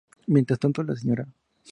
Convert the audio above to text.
Mientras tanto, la Sra.